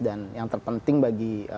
dan yang terpenting bagi